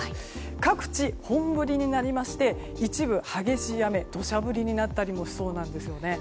各地、本降りになりまして一部で激しい雨土砂降りになったりもしそうなんですね。